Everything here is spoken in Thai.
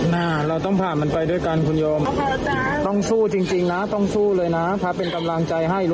ถ้าเป็นกำลังใจให้ลุงต่อยก็เป็นกำลังใจให้